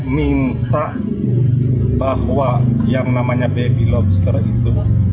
minta bahwa yang namanya baby lobster itu